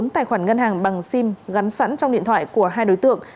bốn tài khoản ngân hàng bằng sim gắn sẵn trong điện thoại của hai đối tượng